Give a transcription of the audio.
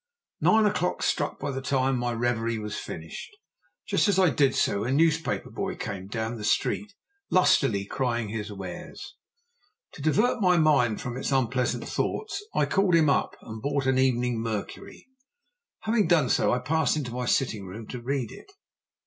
Nine o'clock struck by the time my reverie was finished. Just as I did so a newspaper boy came down the street lustily crying his wares. To divert my mind from its unpleasant thoughts, I called him up and bought an Evening Mercury. Having done so I passed into my sitting room to read it.